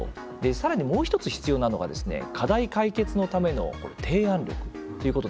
さらに、もう１つ必要なのが課題解決のための提案力ということだと思います。